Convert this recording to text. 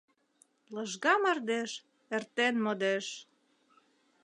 Лыжга мардеж Эртен модеш.